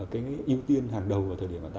cái ưu tiên hàng đầu ở thời điểm